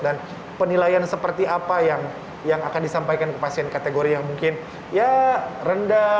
penilaian seperti apa yang akan disampaikan ke pasien kategori yang mungkin ya rendah